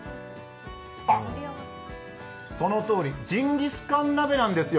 あっ、そのとおり、ジンギスカン鍋なんですよ。